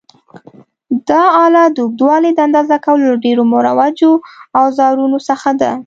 دا آله د اوږدوالي د اندازه کولو له ډېرو مروجو اوزارونو څخه ده.